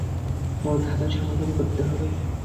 ওই ধাঁধার সমাধান করতে হবে।